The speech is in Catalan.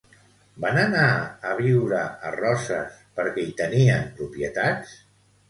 Van anar a viure a Roses per què hi tenien propietats?